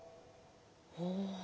ほう。